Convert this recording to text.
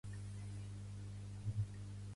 Com puc arribar a Calles amb cotxe?